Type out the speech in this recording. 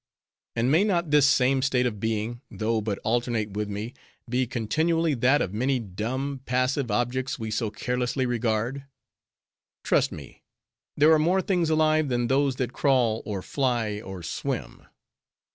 And may not this same state of being, though but alternate with me, be continually that of many dumb, passive objects we so carelessly regard? Trust me, there are more things alive than those that crawl, or fly, or swim.